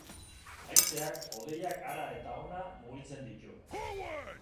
Haizeak hodeiak hara eta hona mugitzen ditu.